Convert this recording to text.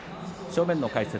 正面−の解説